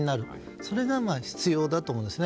それが必要だと思うんですね。